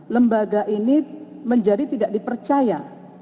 lembaga ini menjadi tidak dipercaya